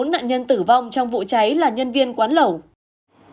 bốn nạn nhân tử vong trong vụ cháy là nhân viên quán lẩu